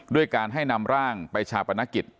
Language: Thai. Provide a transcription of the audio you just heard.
ด้วยการให้นำร่างไปชาปนกิจ